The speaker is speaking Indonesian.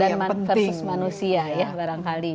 karena hewan versus manusia ya barangkali